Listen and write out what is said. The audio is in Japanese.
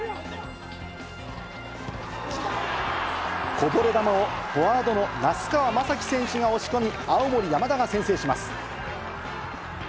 こぼれ球をフォワードの名須川真光選手が押し込み、青森山田が先制します。